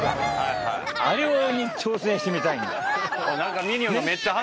あれに挑戦してみたいんだよ。何か。